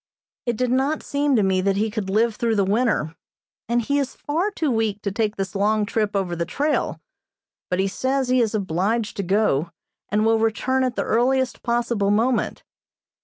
It did not seem to me that he could live through the winter, and he is far too weak to take this long trip over the trail, but he says he is obliged to go, and will return at the earliest possible moment.